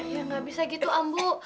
ya nggak bisa gitu ambu